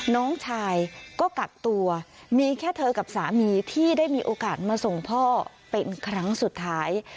น้องชายก็กักตัวมีแค่เธอกับสามีที่ได้มีโอกาสมาส่งพ่อเป็นครั้งสุดท้าย